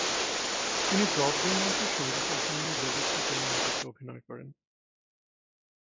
তিনি ব্রডওয়ে মঞ্চে সঙ্গীতধর্মী "লেভ ইট টু জেন" নাটকে অভিনয় করেন।